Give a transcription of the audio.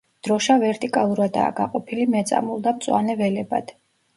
დროშა ვერტიკალურადაა გაყოფილი მეწამულ და მწვანე ველებად.